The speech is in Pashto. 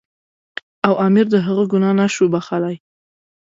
او امیر د هغه ګناه نه شو بخښلای.